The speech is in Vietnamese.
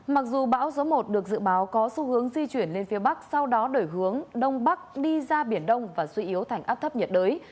mặc dù bão số một được dự báo có xu hướng di chuyển lên phía bắc sau đó đổi hướng đông bắc đi ra biển đông và suy yếu thành áp thấp nhiệt đới